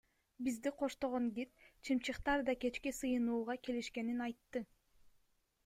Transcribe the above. Бизди коштогон гид чымчыктар да кечки сыйынууга келишкенин айтты.